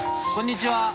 こんにちは！